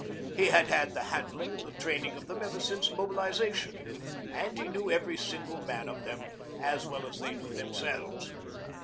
He had had the handling and the training of them ever since mobilisation, and he knew every single man of them as well as they knew themselves.